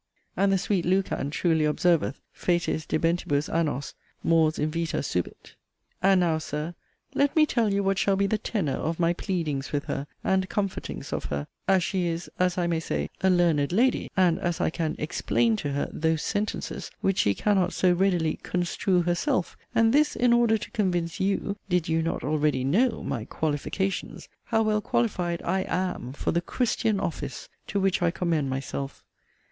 And the sweet Lucan truly observeth, ' Fatis debentibus annos Mors invita subit. ' And now, Sir, let me tell you what shall be the 'tenor' of my 'pleadings' with her, and 'comfortings' of her, as she is, as I may say, a 'learned lady'; and as I can 'explain' to her 'those sentences,' which she cannot so readily 'construe herself': and this in order to convince 'you' (did you not already 'know' my 'qualifications') how well qualified I 'am' for the 'christian office' to which I commend myself.